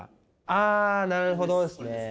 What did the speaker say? あなるほどですね。